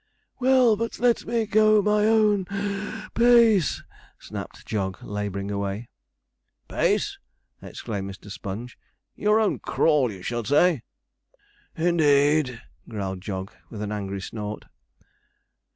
'Well, but let me go my own (puff) pace,' snapped Jog, labouring away. 'Pace!' exclaimed Mr. Sponge, 'your own crawl, you should say.' 'Indeed!' growled Jog, with an angry snort.